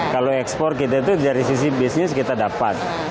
kalau ekspor kita itu dari sisi bisnis kita dapat